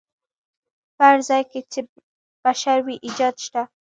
په هر ځای کې چې بشر وي ایجاد شته.